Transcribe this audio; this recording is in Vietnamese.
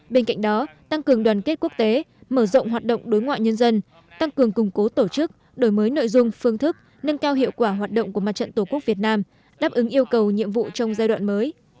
bên cạnh đó tăng cường đoàn kết quốc tế mở rộng hoạt động đối ngoại nhân dân tăng cường củng cố tổ chức đổi mới nội dung phương thức nâng cao hiệu quả hoạt động của mặt trận tổ quốc việt nam đáp ứng yêu cầu nhiệm vụ trong giai đoạn mới